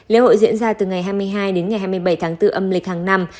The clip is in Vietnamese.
lễ hội diễn ra từ ngày hai mươi hai đến ngày hai mươi bảy tháng bốn âm lịch hàng năm